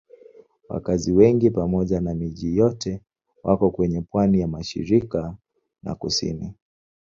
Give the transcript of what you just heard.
Wakazi wengi pamoja na miji yote wako kwenye pwani ya mashariki na kusini.